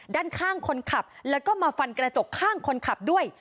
ด้านข้างคนขับแล้วก็มาฟันกระจกข้างคนขับด้วย